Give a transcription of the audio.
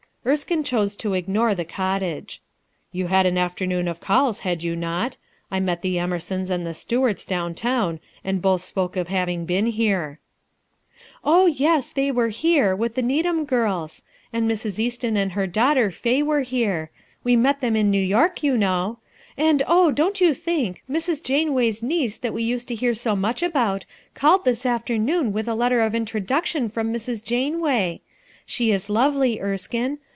Erskine chose to ignore the cottage. "You had an afternoon of calls, had you not? I met the Emersons and the Stuarts down town and both spoke of having been here." "Oh, yes, they were here, with the Needham girls; and Mrs. Easton and her daughter Faye were here. We met them in New York, you know. And oh, don't you think, Mrs. Janeway's niece that we used to hear so much about called this afternoon with a letter of in troduction from Mrs. Janeway. She is lovely, Erskine.